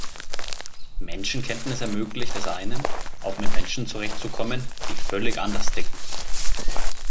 Menschenkenntnis ermöglicht es einem, auch mit Menschen zurechtzukommen, die völlig anders ticken.